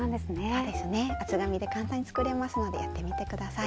そうですね厚紙で簡単に作れますのでやってみて下さい。